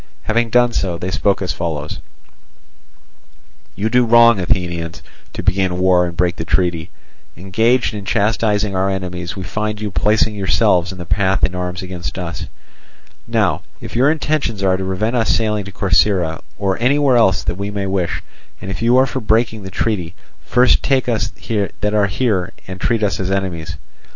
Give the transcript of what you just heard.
Having done so, they spoke as follows: "You do wrong, Athenians, to begin war and break the treaty. Engaged in chastising our enemies, we find you placing yourselves in our path in arms against us. Now if your intentions are to prevent us sailing to Corcyra, or anywhere else that we may wish, and if you are for breaking the treaty, first take us that are here and treat us as enemies."